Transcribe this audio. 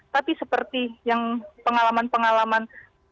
tapi seperti yang pengalaman pengalaman